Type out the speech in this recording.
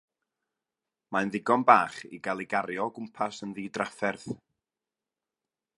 Mae'n ddigon bach i gael ei gario o gwmpas yn ddidrafferth.